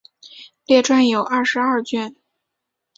列传有二十二卷。